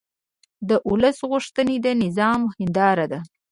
د ولس غوښتنې د نظام هنداره ده